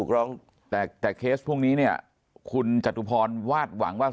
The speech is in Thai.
แต่เคสพวกนี้เนี่ยคุณจตุพรวาดหวังว่า